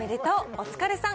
お疲れさん。